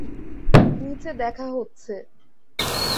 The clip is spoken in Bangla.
নিচে দেখা হচ্ছে।